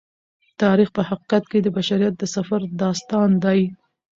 تاریخ په حقیقت کې د بشریت د سفر داستان دی.